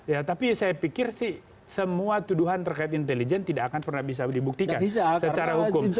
ya tapi saya pikir sih semua tuduhan terkait intelijen tidak akan pernah bisa dibuktikan secara hukum